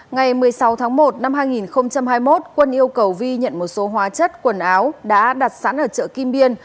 ngày một mươi sáu tháng một năm hai nghìn hai mươi một quân yêu cầu vi nhận một số hóa chất quần áo đã đặt sẵn ở chợ kim biên